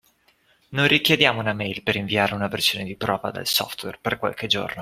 Non richiediamo un'email per inviare una versione di prova del software per qualche giorno.